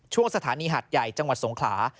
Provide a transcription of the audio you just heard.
สถานีหัดใหญ่จังหวัดสงขลา